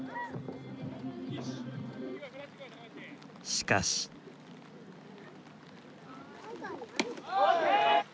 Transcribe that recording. しかし。・ＯＫ！